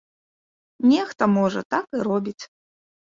Нехта, можа, так і робіць.